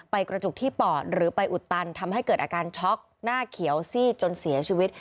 ไปกระจุกที่ปอดหรือไปอุดตันทำให้เกิดอาการช็อกหน้าเขียวซีดจนเสียชีวิต